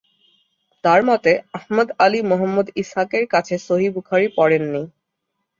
তার মতে আহমদ আলী মুহাম্মদ ইসহাকের কাছে সহিহ বুখারী পড়েন নি।